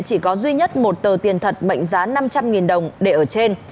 chỉ có duy nhất một tờ tiền thật mệnh giá năm trăm linh đồng để ở trên